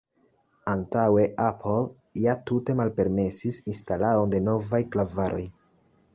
Antaŭe Apple ja tute malpermesis instaladon de novaj klavaroj.